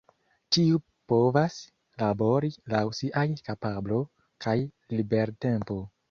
Ĉiu povas labori laŭ siaj kapablo kaj libertempo.